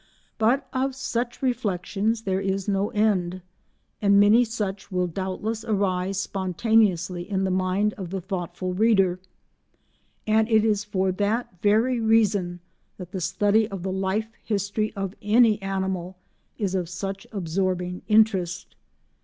But of such reflexions there is no end, and many such will doubtless arise spontaneously in the mind of the thoughtful reader, and it is for that very reason that the study of the life history of any animal is of such absorbing interest.